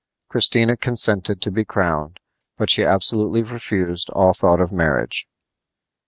Christina consented to be crowned, but she absolutely refused all thought of marriage.